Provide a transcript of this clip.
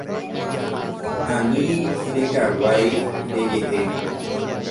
Ani rekaguai ndejehe.